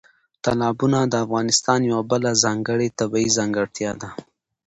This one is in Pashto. تالابونه د افغانستان یوه بله ځانګړې طبیعي ځانګړتیا ده.